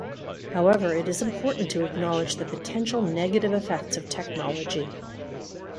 However, it is important to acknowledge the potential negative effects of technology.